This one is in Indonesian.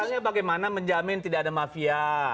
alasannya bagaimana menjamin tidak ada mafia